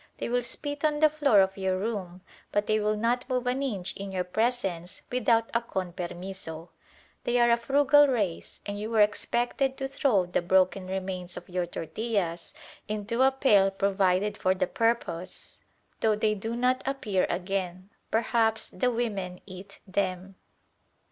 They will spit on the floor of your room; but they will not move an inch in your presence without a "con permiso." They are a frugal race, and you were expected to throw the broken remains of your tortillas into a pail provided for the purpose, though they do not appear again. Perhaps the women eat them.